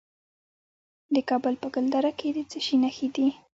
د کابل په ګلدره کې د څه شي نښې دي؟